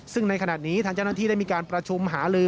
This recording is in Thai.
ซึ่งในขณะนี้ทางเจ้าหน้าที่ได้มีการประชุมหาลือ